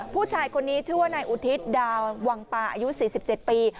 ผู้ชายคนนี้ชื่อว่านายอุทิศดาววังปาอายุ๔๗ปี